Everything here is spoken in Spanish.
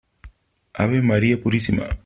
¡ ave María Purísima !